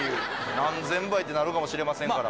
何千倍ってなるかもしれませんから。